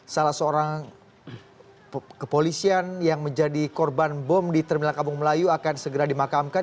salah seorang kepolisian yang menjadi korban bom di terminal kampung melayu akan segera dimakamkan